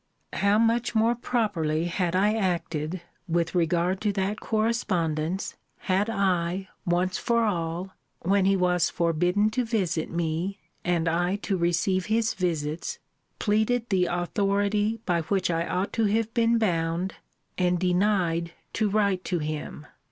How much more properly had I acted, with regard to that correspondence, had I, once for all, when he was forbidden to visit me, and I to receive his visits, pleaded the authority by which I ought to have been bound, and denied to write to him!